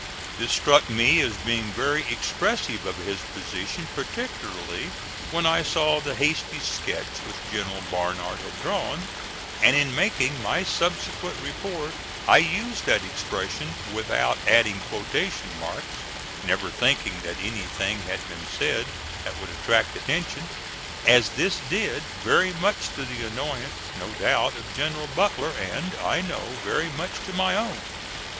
This struck me as being very expressive of his position, particularly when I saw the hasty sketch which General Barnard had drawn; and in making my subsequent report I used that expression without adding quotation marks, never thinking that anything had been said that would attract attention as this did, very much to the annoyance, no doubt, of General Butler and, I know, very much to my own.